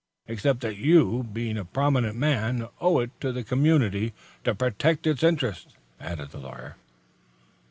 "Except that you, being a prominent man, owe it to the community to protect its interests," added the lawyer.